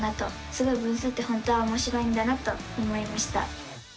すごい分数って本当はおもしろいんだなと思いました！